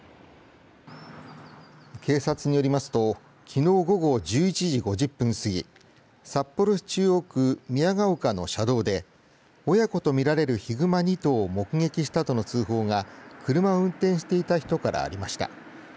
警察によりますときのう午後１１時５０分すぎ札幌市中央区宮ヶ丘の車道で親子と見られるヒグマ２頭を目撃したとの通報が車を運転していた人からありました。